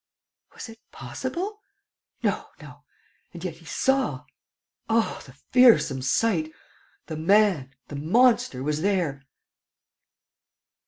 _ Was it possible? No, no ... and yet he saw. ... Oh, the fearsome sight! ... The man, the monster, was there.